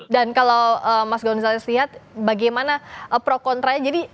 dan kalau mas gonzalez lihat bagaimana pro kontra jadi agar jangan kita lupa